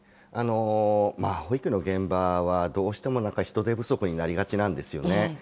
保育の現場は、どうしても人手不足になりがちなんですよね。